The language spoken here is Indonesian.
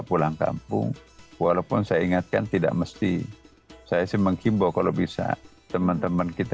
pulang kampung walaupun saya ingatkan tidak mesti saya sih mengkimbo kalau bisa teman teman kita